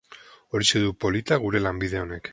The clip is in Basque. Horixe du polita gure lanbide honek.